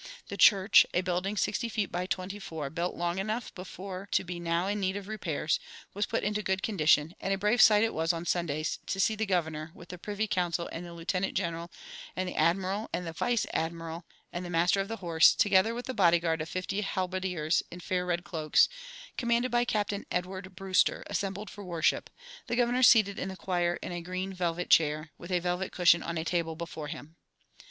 The church, a building sixty feet by twenty four, built long enough before to be now in need of repairs, was put into good condition, and a brave sight it was on Sundays to see the Governor, with the Privy Council and the Lieutenant General and the Admiral and the Vice Admiral and the Master of the Horse, together with the body guard of fifty halberdiers in fair red cloaks, commanded by Captain Edward Brewster, assembled for worship, the governor seated in the choir in a green velvet chair, with a velvet cushion on a table before him.